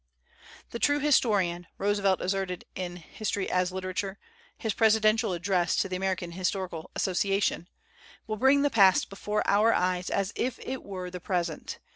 "The true historian," Roosevelt asserted in 1 History as Literature,' his presidential address to the American Historical Association, "will bring the past before our eyes as if it were the 248 THEODORE ROOSEVELT AS A MAN OF LETTERS present.